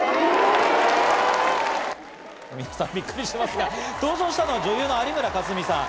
皆さん、びっくりしてますが、登場したのは女優の有村架純さん。